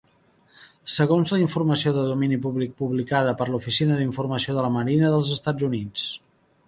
Segons la informació de domini públic publicada per l'Oficina d'informació de la Marina dels Estats Units.